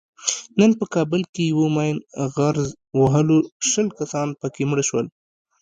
نن په کابل کې یوه ماین غرز وهلو شل کسان پکې مړه شول.